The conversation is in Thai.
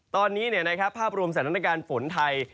ตอนนี้ภาพรวมสถานการณ์ฝนไทย